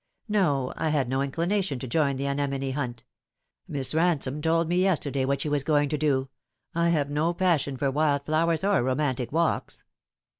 " No, I had no inclination to join in the anemone hunt. Miss Ransome told me yesterday what she was going to do. I have no passion for wild flowers or romantic walks."